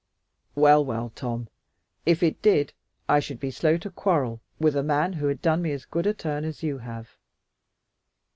"Well, well, Tom! If it did, I should be slow to quarrel with a man who had done me as good a turn as you have.